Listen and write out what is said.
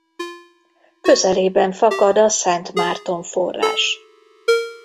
Közelében fakad a Szent Márton-forrás.